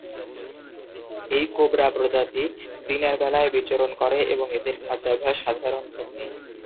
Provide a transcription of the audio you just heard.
এই কোবরা প্রজাতি দিনের বেলায় বিচরণ করে এবং এদের খাদ্যাভ্যাস সাধারনধর্মী।